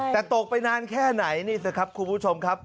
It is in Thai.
แต่ตกไปนานแค่ไหนนี่สิครับคุณผู้ชมครับ